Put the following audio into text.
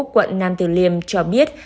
quận nam tử liêm cho biết